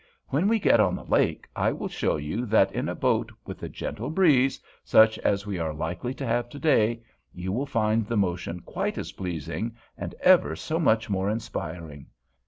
When we get on the lake I will show you that in a boat, with a gentle breeze, such as we are likely to have to day, you will find the motion quite as pleasing, and ever so much more inspiriting.